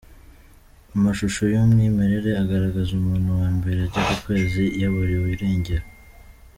Amashusho y’umwimerere agaragaza umuntu wa mbere ajya kukwezi yaburiwe irengero.